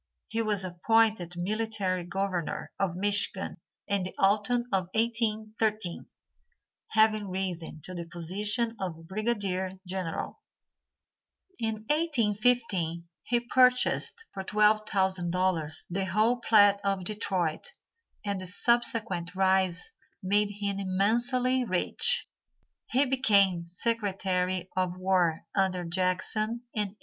He was appointed military governor of Michigan in the autumn of 1813, having risen to the position of Brigadier General. In 1815 he purchased for $12,000 the whole plat of Detroit, and the subsequent rise made him immensely rich. He became Secretary of War under Jackson in 1831.